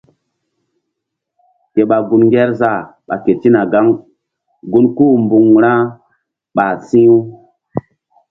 Ke ɓa gun Ŋgerzah ɓa ketina gaŋ gun kú-u mbuŋ ra ɓah si̧h-u.